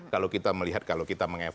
kalau kita melihat kalau kita mengevalu